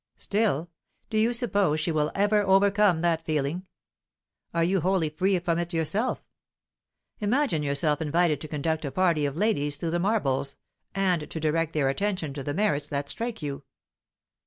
"Still? Do you suppose she will ever overcome that feeling? Are you wholly free from it yourself? Imagine yourself invited to conduct a party of ladies through the marbles, and to direct their attention to the merits that strike you."